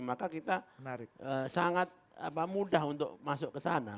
maka kita sangat mudah untuk masuk ke sana